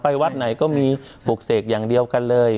วัดไหนก็มีปลูกเสกอย่างเดียวกันเลย